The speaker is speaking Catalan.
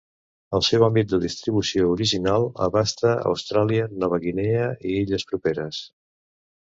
El seu àmbit de distribució original abasta Austràlia, Nova Guinea i illes properes.